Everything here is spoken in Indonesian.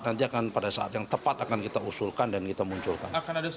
nanti akan pada saat yang tepat akan kita usulkan dan kita munculkan